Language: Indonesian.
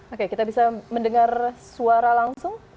oke kita bisa mendengar suara langsung